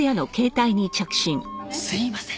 すいません。